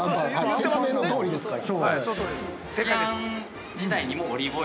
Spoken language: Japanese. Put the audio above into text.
◆説明のとおりですから。